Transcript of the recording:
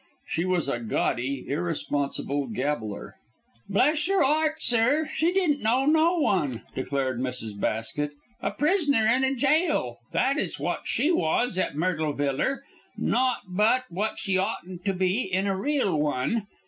She was a gaudy, irresponsible gabbler. "Bless your 'eart, sir, she didn't know no one," declared Mrs. Basket. "A prisoner in a gaol, that is what she was at Myrtle Viller; not but what she oughtn't to be in a real one.